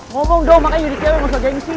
ngomong dong makanya yudhika yang masuk ajain sih